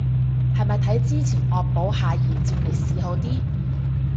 係咪睇之前惡補下二戰歷史好啲